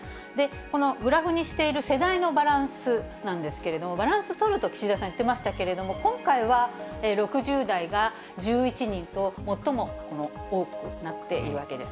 このグラフにしている世代のバランスなんですけれども、バランス取ると岸田さん言ってましたけれども、今回は６０代が１１人と最も多くなっているわけです。